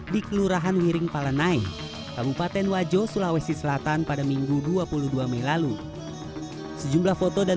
di kelurahan wiring palenai kabupaten wajo sulawesi selatan pada minggu dua puluh dua mei lalu sejumlah foto dan